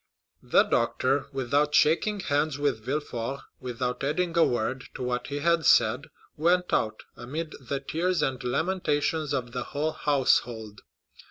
The doctor, without shaking hands with Villefort, without adding a word to what he had said, went out, amid the tears and lamentations of the whole household.